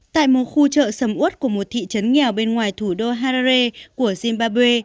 tại một khu chợ sầm út của một thị trấn nghèo bên ngoài thủ đô hara của zimbabwe